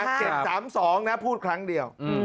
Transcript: เก็บสามสองนะพูดครั้งเดียว